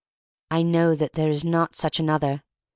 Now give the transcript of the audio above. I know that there is not such another.